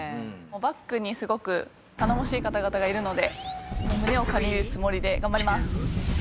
バックにすごく頼もしい方々がいるので胸を借りるつもりで頑張ります。